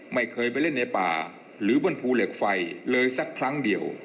ไม่เคยไปเล่นในป่าหรือบนภูเหล็กไฟเลยสักครั้งเดียว